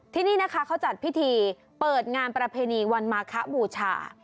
ที่นี่นะคะเขาจัดพิธีเปิดงานประเพณีวันมาคบูชา